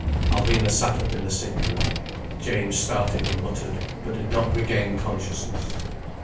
Alvina sat up in the sick room. James started and muttered, but did not regain consciousness.